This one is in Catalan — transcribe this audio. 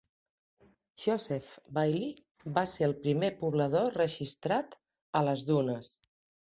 Joseph Bailly va ser el primer poblador registrat a les dunes.